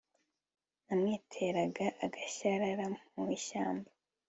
nyamwitera agashyarara mu ishyamba